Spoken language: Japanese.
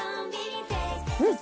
うん？